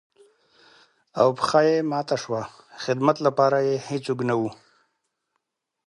او پښه يې ماته شوه ،خدمت لپاره يې هېڅوک نه وو.